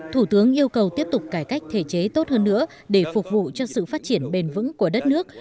thủ tướng yêu cầu tiếp tục cải cách thể chế tốt hơn nữa để phục vụ cho sự phát triển bền vững của đất nước